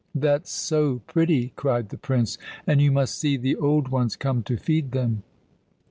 "That's so pretty!" cried the prince. "And you must see the old ones come to feed them."